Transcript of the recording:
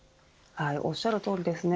おっしゃるとおりです。